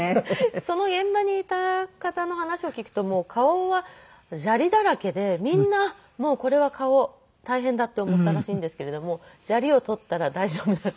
その現場にいた方の話を聞くともう顔は砂利だらけでみんなこれは顔大変だって思ったらしいんですけれども砂利を取ったら大丈夫だった。